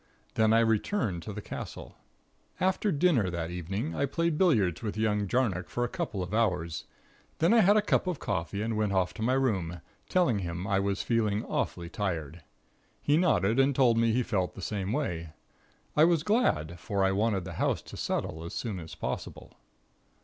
Then I returned to the castle. "After dinner that evening, I played billiards with young Jarnock for a couple of hours. Then I had a cup of coffee and went off to my room, telling him I was feeling awfully tired. He nodded and told me he felt the same way. I was glad, for I wanted the house to settle as soon as possible.